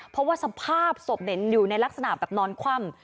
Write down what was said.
เพราะว่าสภาพศพอยู่ในลักษณะแบบนอนคว่ำ